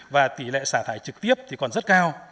và tỷ lệ xả thải trực tiếp thì còn rất cao